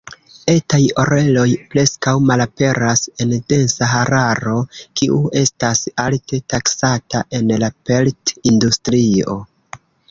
Etaj oreloj preskaŭ malaperas en densa hararo, kiu estas alte taksata en la pelt-industrio.